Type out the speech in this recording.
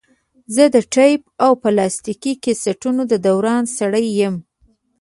زه د ټیپ او پلاستیکي کسټونو د دوران سړی یم.